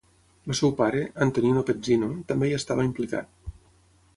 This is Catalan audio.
El seu pare, Antonino Pezzino, també hi estava implicat.